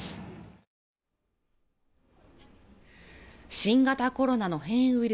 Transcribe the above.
新型コロナの変異ウイル